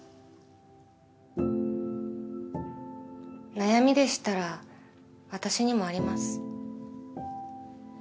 悩みでしたら私にもあります。